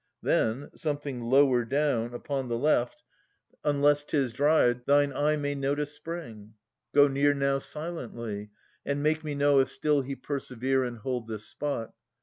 Then, something lower down, upon the left. 268 Phtloctetes [21 49 Unless 'tis dried, thine eye may note a spring. Go near now silently, and make me know If still he persevere and hold this spot.